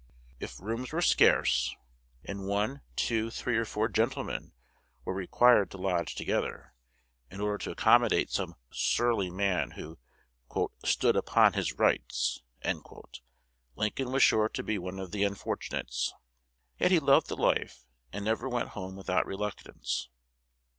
If rooms were scarce, and one, two, three, or four gentlemen were required to lodge together, in order to accommodate some surly man who "stood upon his rights," Lincoln was sure to be one of the unfortunates. Yet he loved the life, and never went home without reluctance.